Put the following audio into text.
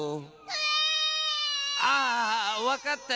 あああわかったよ。